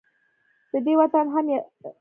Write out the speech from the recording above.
د دې وطن هر يو افسر